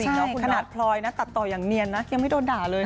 คือกลั้นฉันขนาดพลอยนะตัดต่ออย่างเนียงนะ